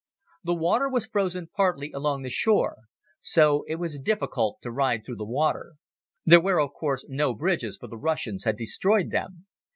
The water was frozen partly along the shore. So it was difficult to ride through the river. There were, of course, no bridges, for the Russians had destroyed them.